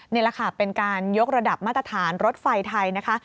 นี่แหละค่ะเป็นการยกระดับมาตรฐานรถไฟไทยนะคะ